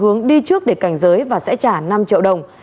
hướng đi trước để cảnh giới và sẽ trả năm triệu đồng